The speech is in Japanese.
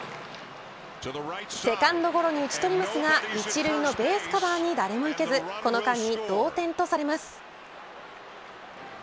セカンドゴロに打ち取りますが１塁のベースカバーに誰も行けずこの間に同点とされます。